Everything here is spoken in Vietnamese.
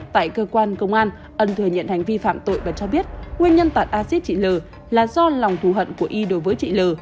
tại cơ quan công an ân thừa nhận hành vi phạm tội và cho biết nguyên nhân tại acid chị l là do lòng thù hận của y đối với chị l